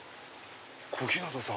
小日向さん。